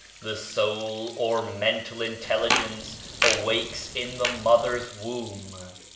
The soul or men tal intelligence awakes in the mother's womb.